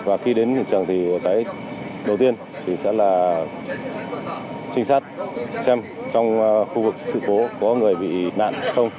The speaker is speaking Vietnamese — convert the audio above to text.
và khi đến hiện trường thì cái đầu tiên thì sẽ là trinh sát xem trong khu vực sự cố có người bị nạn không